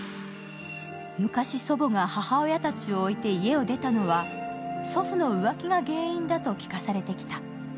昔、祖母が母親たちを置いて家を出たのは祖父の浮気が原因だと聞かされてきた。